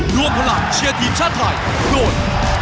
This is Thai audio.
รวมพลังเชียร์ทีมชาติไทยโดย